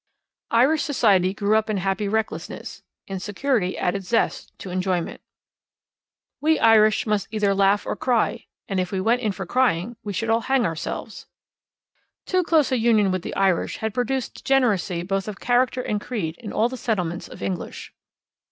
Irish Society grew up in happy recklessness. Insecurity added zest to enjoyment. We Irish must either laugh or cry, and if we went in for crying, we should all hang ourselves. Too close a union with the Irish had produced degeneracy both of character and creed in all the settlements of English.